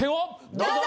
どうぞ！